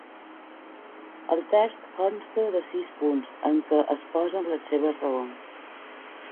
El text consta de sis punts, en què exposen les seves raons.